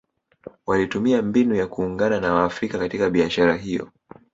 Walitumia mbinu ya kuungana na waafrika katika biashara hiyo